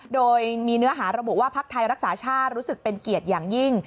โดยมีเนื้อหาระบุว่าพักไทยรักษาชาติรู้สึกเป็นเกียรติอย่างยิ่ง